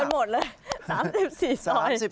โดนหมดเลย๓๔ซอย